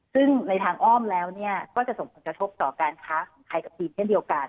ซึ่งในทางอ้อมแล้วก็จะส่งผลกระทบต่อการค้าของไทยกับทีมเช่นเดียวกัน